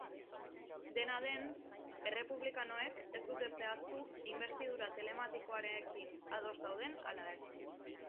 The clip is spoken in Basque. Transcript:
Dena den, errepublikanoek ez dute zehaztu inbestidura telematikoarekin ados dauden ala ez.